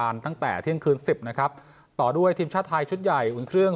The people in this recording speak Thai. ตั้งแต่เที่ยงคืนสิบนะครับต่อด้วยทีมชาติไทยชุดใหญ่อุ่นเครื่อง